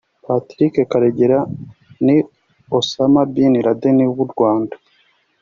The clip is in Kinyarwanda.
Patrick Karegeya ni Osama Bin Laden w’u Rwanda